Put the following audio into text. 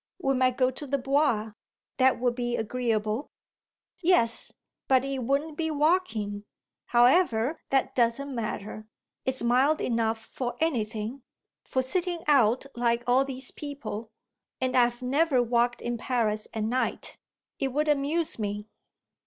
We might go to the Bois. That would be agreeable." "Yes, but it wouldn't be walking. However, that doesn't matter. It's mild enough for anything for sitting out like all these people. And I've never walked in Paris at night. It would amuse me."